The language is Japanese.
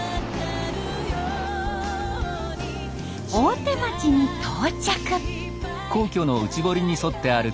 大手町に到着。